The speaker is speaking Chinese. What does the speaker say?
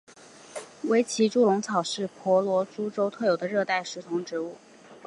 维奇猪笼草是婆罗洲特有的热带食虫植物。